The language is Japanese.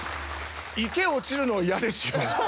池落ちるの嫌ですよ。